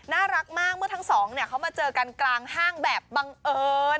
น่ารักมากเมื่อทั้งสองเขามาเจอกันกลางห้างแบบบังเอิญ